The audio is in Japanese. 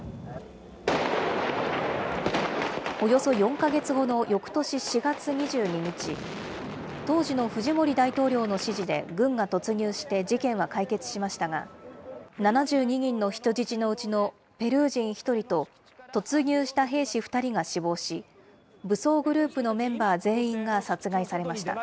およそ４か月後のよくとし４月２２日、当時のフジモリ大統領の指示で軍が突入して事件は解決しましたが、７２人の人質のうちのペルー人１人と、突入した兵士２人が死亡し、武装グループのメンバー全員が殺害されました。